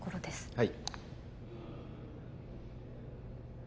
はい